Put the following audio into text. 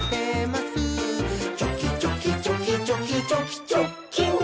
「チョキチョキチョキチョキチョキチョッキン！」